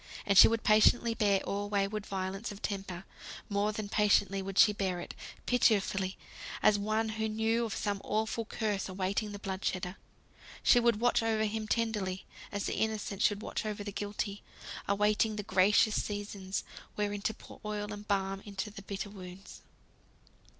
And she would patiently bear all wayward violence of temper; more than patiently would she bear it pitifully, as one who knew of some awful curse awaiting the blood shedder. She would watch over him tenderly, as the Innocent should watch over the Guilty; awaiting the gracious seasons, wherein to pour oil and balm into the bitter wounds.